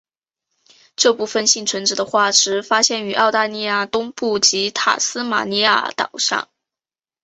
这部分幸存者的化石发现于澳大利亚东部及塔斯马尼亚岛上。